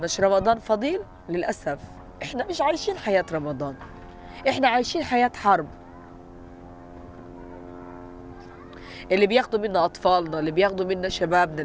kita tidak ada kebenaran dengan anak anak yang diberikan oleh bapak